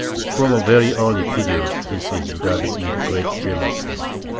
From a very early period this was regarded with great jealousy.